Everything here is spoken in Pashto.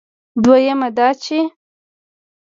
دویم دا چې